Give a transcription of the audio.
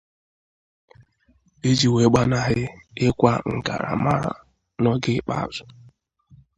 iji wee gbanahị ịkwa ngarammara n'oge ikpeazụ